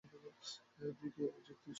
এটাকে কি অযৌক্তিক শোনাচ্ছে না?